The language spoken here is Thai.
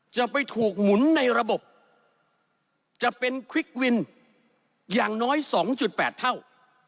จะไปถูกหมุนในระบบจะเป็นควิกวินอย่างน้อย๒๘เท่า